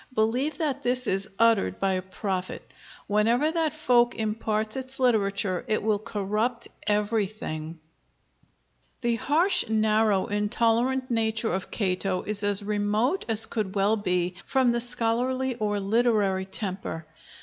Believe that this is uttered by a prophet: whenever that folk imparts its literature, it will corrupt everything." The harsh, narrow, intolerant nature of Cato is as remote as could well be from the scholarly or literary temper.